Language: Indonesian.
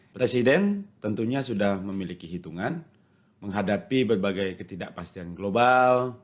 presiden tentunya sudah memiliki hitungan menghadapi berbagai ketidakpastian global